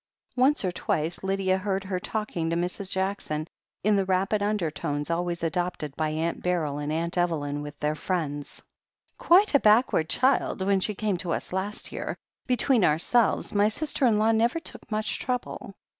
Once or twice Lydia heard her talking to Mrs. Jack son in the rapid undertones always adopted by Aunt Beryl and Aunt Evelyn with their friends. u ft ' i 36 THE HEEL OF ACHILLES ''Quite a backward child, when she came to us last year. Between ourselves, my sister in law never took much trouble